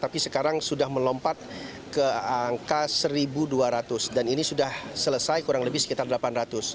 tapi sekarang sudah melompat ke angka rp satu dua ratus dan ini sudah selesai kurang lebih sekitar delapan ratus